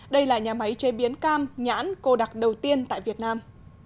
đây là nhà máy chế biến cam nhãn cô đặc đầu tiên tại việt nam